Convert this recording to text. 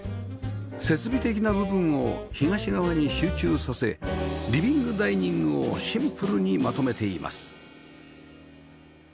設備的な部分を東側に集中させリビングダイニングをシンプルにまとめています